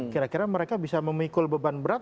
kira kira mereka bisa memikul beban berat